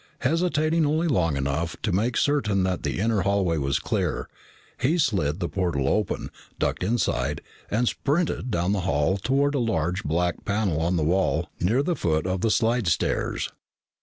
Hesitating only long enough to make certain that the inner hallway was clear, he slid the portal open, ducked inside, and sprinted down the hall toward a large black panel on the wall near the foot of the slidestairs.